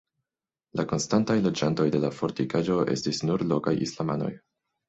La konstantaj loĝantoj de la fortikaĵo estis nur lokaj islamanoj.